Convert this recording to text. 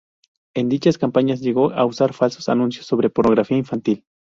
En dichas campañas llegó a usar falsos anuncios sobre pornografía infantil.